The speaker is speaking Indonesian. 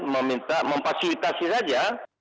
meminta memfasilitasi saja